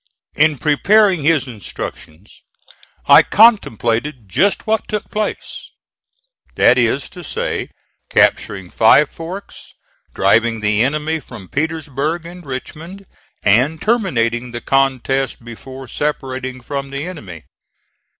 In preparing his instructions I contemplated just what took place; that is to say, capturing Five Forks, driving the enemy from Petersburg and Richmond and terminating the contest before separating from the enemy.